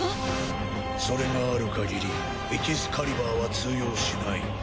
それがあるかぎりエキスカリバーは通用しない。